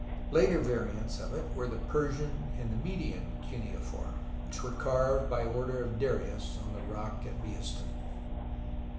Later variants of it were the Persian and the Median cuneiform, which were carved by order of Darius on the rock at Behistun.